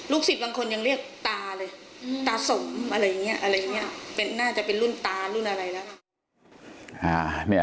ลูกศิษย์บางคนยังเรียกตาเลยตาสมอะไรอย่างเงี้ย